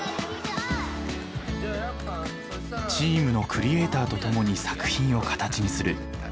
チームのクリエーターと共に作品を形にする。